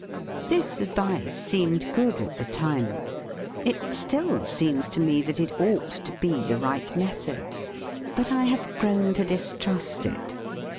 This advice seemed good at the time. It still seems to me that it ought to be the right method. But I have grown to distrust it.